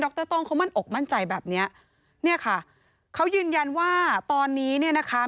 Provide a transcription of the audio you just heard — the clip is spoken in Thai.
ต้องเขามั่นอกมั่นใจแบบเนี้ยเนี่ยค่ะเขายืนยันว่าตอนนี้เนี่ยนะคะ